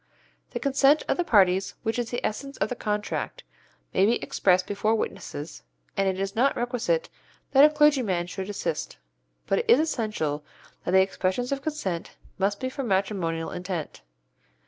The consent of the parties, which is the essence of the contract, may be expressed before witnesses, and it is not requisite that a clergyman should assist, but it is essential that the expressions of consent must be for a matrimonial intent.